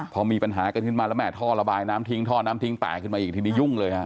พอมีปัญหากันขึ้นมาแล้วแม่ท่อระบายน้ำทิ้งท่อน้ำทิ้งตายขึ้นมาอีกทีนี้ยุ่งเลยฮะ